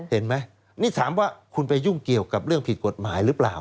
เห็นไหมนี่ถามว่าคุณไปยุ่งเกี่ยวกับเรื่องผิดกฎหมายหรือเปล่า